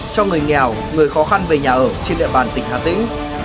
cho người nghèo người khó khăn về nhà ở trên địa bàn tỉnh hà tĩnh